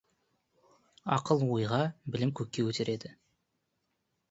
Ақыл ойға, білім көкке көтереді.